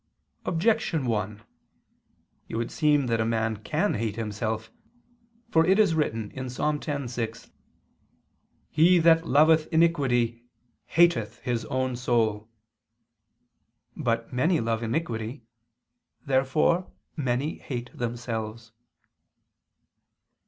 Objection 1: It would seem that a man can hate himself. For it is written (Ps. 10:6): "He that loveth iniquity, hateth his own soul." But many love iniquity. Therefore many hate themselves.